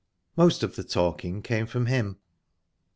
Most of the talking came from him.